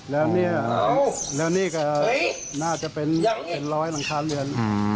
แล้วนี่ก็น่าจะเป็น๑๐๐หลังคาเรือน